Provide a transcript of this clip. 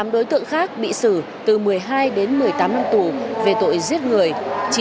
tám đối tượng khác bị xử từ một mươi hai đến một mươi tám năm tù về tội giết người